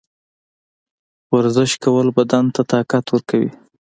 ورزش کول بدن ته طاقت ورکوي.